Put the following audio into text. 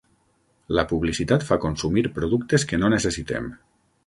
La publicitat fa consumir productes que no necessitem.